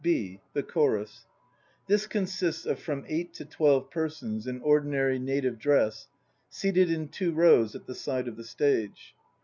(b) The Chorus. This consists of from eight to twelve persons in ordinary native dress seated in two rows at the side of the stage.